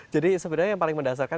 jadi sebenarnya yang paling mendasarkan